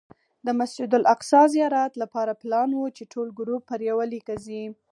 د مسجد الاقصی زیارت لپاره پلان و چې ټول ګروپ پر یوه لیکه ځي.